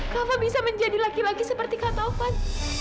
kava bisa menjadi laki laki seperti ketaufan